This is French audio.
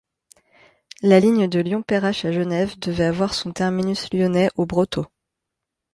La ligne de Lyon-Perrache à Genève devait avoir son terminus lyonnais aux Brotteaux.